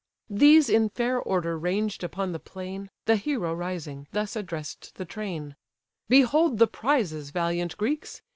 These in fair order ranged upon the plain, The hero, rising, thus address'd the train: "Behold the prizes, valiant Greeks!